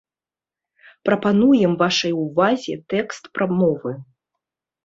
Прапануем вашай увазе тэкст прамовы.